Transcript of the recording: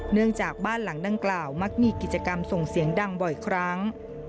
เนื่องจากบ้านหลังดังกล่าวมักมีกิจกรรมส่งเสียงดังบ่อยครั้ง